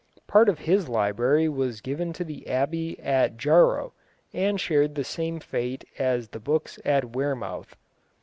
Part of his library was given to the Abbey at Jarrow, and shared the same fate as the books at Wearmouth.